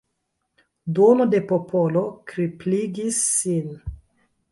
Duono de popolo kripligis sin.